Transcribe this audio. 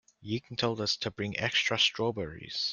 Ying told us to bring extra strawberries.